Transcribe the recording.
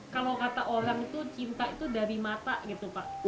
kalau kata orang itu cinta itu dari mata gitu pak